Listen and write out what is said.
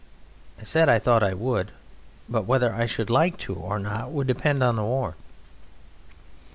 I said I thought I would; but whether I should like to or not would depend upon the war.